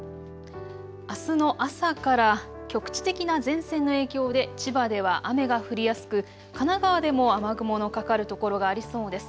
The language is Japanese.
あすの朝から局地的な前線の影響で千葉では雨が降りやすく神奈川でも雨雲のかかる所がありそうです。